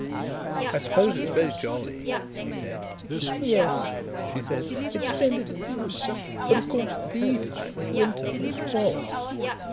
"I suppose it is very jolly," he said. "Yes," she said, "it's splendid in summer. But, of course, the time is winter, for the sports.